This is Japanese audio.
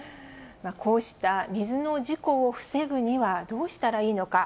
こうした水の事故を防ぐにはどうしたらいいのか。